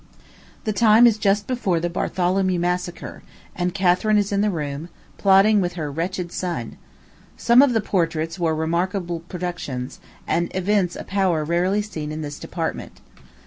The time is just before the Bartholomew massacre; and Catharine is in the room, plotting with her wretched son. Some of the portraits were remarkable productions, and evince a power rarely seen in this department.